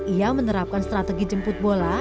ia menerapkan strategi jemput bola